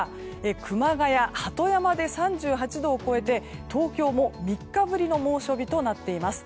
熊谷、鳩山で３８度を超えて東京も３日ぶりの猛暑日となっています。